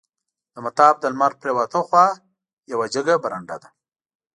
د مطاف د لمر پریواته خوا یوه جګه برنډه ده.